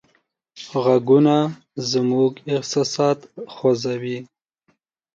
غږونه زموږ احساسات خوځوي.